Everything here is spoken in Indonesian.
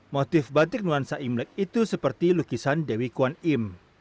motif batik nuansa imlek itu seperti lukisan dewi kwan im